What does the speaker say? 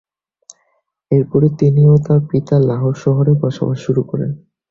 এরপরেই তিনি ও তার পিতা লাহোর শহরে বসবাস শুরু করেন।